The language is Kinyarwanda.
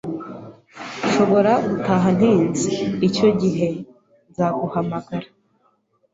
Nshobora gutaha ntinze. Icyo gihe, nzaguhamagara.